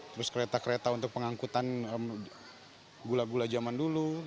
terus kereta kereta untuk pengangkutan gula gula zaman dulu